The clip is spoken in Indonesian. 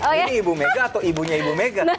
ini ibu mega atau ibunya ibu mega